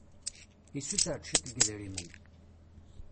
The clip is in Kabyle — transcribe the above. Issuter-d cwiṭ n yidrimen.